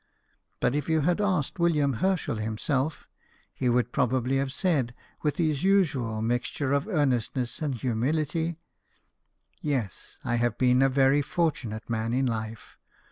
But if you had asked William Herschel himself, he would probably have said, with his usual mixture of earnestness and humility, " Yes, I have been a very for tunate man in life.